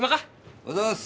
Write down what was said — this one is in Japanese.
おはようございます！